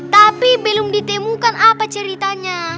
tapi belum ditemukan apa ceritanya